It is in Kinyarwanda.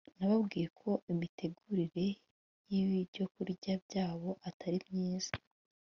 nababwiye ko imitegurire y'ibyokurya byabo atari myiza